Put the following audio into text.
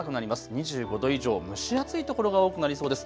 ２５度以上蒸し暑い所が多くなりそうです。